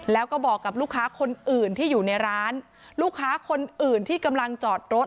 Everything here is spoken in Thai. แล้วก็บอกกับลูกค้าคนอื่นที่อยู่ในร้านลูกค้าคนอื่นที่กำลังจอดรถ